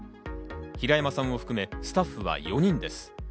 平山さんも含めスタッフは４人です。